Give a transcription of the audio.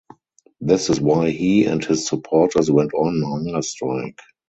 This is why he and his supporters went on hunger strike.